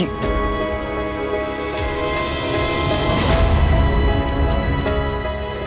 ada resiko pergi